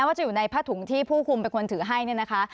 ก็อยู่ในผ้าถุงที่ผู้คุมเป็นคนถือให้นะคะ